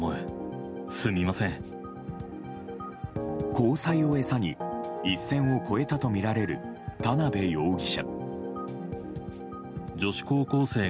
交際を餌に一線を越えたとみられる田辺容疑者。